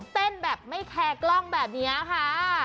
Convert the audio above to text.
เต้นแบบไม่แคร์กล้องแบบนี้ค่ะ